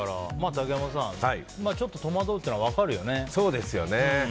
竹山さん、ちょっと戸惑うのは分かるよね。